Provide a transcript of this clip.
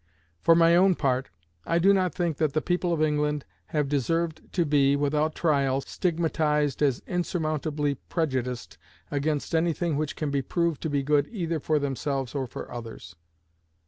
For my own part, I do not think that the people of England have deserved to be, without trial, stigmatized as insurmountably prejudiced against any thing which can be proved to be good either for themselves or for others.